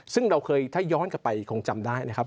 ซึ่งเราเคยถ้าย้อนกลับไปคงจำได้นะครับ